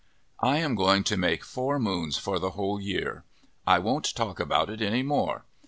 I am going to make four moons for the whole year. I won't talk about it any more.